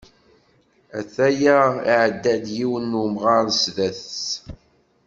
Ata ya iɛedda-d, yiwen n umɣar sdat-s.